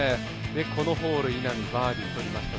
このホール稲見バーディーとりました